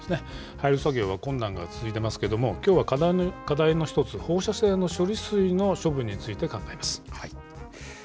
廃炉作業は困難が続いていますけれども、きょうは課題の一つ、放射性の処理水の処分について考えます。